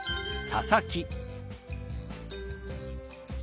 「佐々木」。